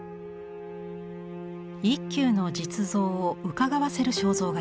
一休の実像をうかがわせる肖像画です。